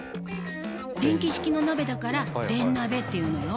電気式の鍋だから電鍋っていうのよ。